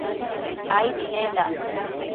Aidi nendac